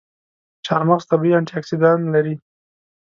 چارمغز طبیعي انټياکسیدان لري.